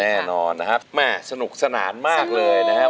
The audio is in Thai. แน่นอนนะครับแม่สนุกสนานมากเลยนะครับ